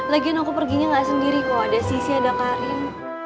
lagian aku perginya gak sendiri kok ada sisi ada karin